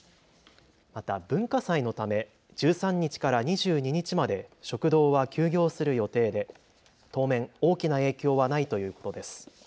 また文化祭のため、１３日から２２日まで食堂は休業する予定で当面、大きな影響はないということです。